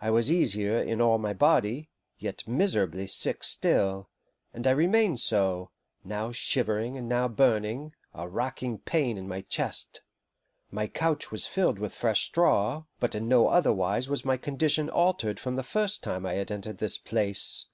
I was easier in all my body, yet miserably sick still, and I remained so, now shivering and now burning, a racking pain in my chest. My couch was filled with fresh straw, but in no other wise was my condition altered from the first time I had entered this place.